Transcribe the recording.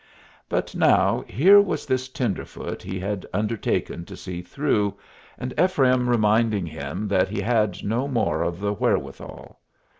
But now, here was this tenderfoot he had undertaken to see through, and Ephraim reminding him that he had no more of the wherewithal.